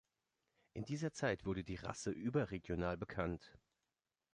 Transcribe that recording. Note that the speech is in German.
In dieser Zeit wurde die Rasse überregional bekannt.